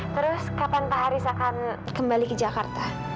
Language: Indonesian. terus kapan pak haris akan kembali ke jakarta